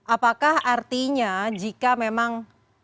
apakah artinya jika memang